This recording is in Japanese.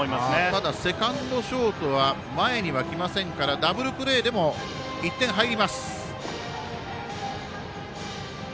ただ、セカンド、ショート前にはきませんからダブルプレーでも１点入ります。